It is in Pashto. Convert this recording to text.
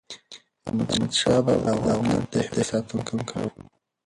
احمد شاه بابا د افغان ملت د هویت ساتونکی و.